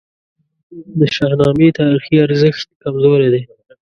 د شاهنامې تاریخي ارزښت کمزوری دی.